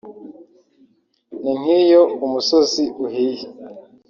ni nk’iyo umusozi uhiye